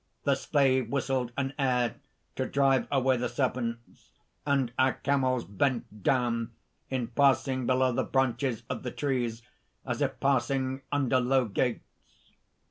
The slave whistled an air to drive away the serpents; and our camels bent down in passing below the branches of the trees, as if passing under low gates.